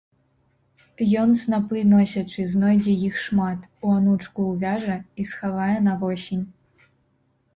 Ён, снапы носячы, знойдзе іх шмат, у анучку ўвяжа і схавае на восень.